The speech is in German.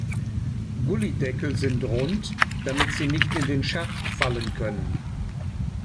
Gullydeckel sind rund, damit sie nicht in den Schacht fallen können.